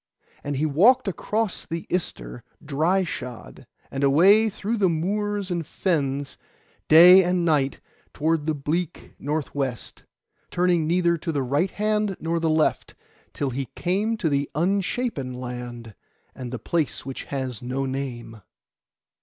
And he walked across the Ister dry shod, and away through the moors and fens, day and night toward the bleak north west, turning neither to the right hand nor the left, till he came to the Unshapen Land, and the place which has no name.